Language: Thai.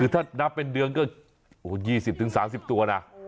ถ้านับเป็นเดือนก็๒๐๓๐ตัวนะ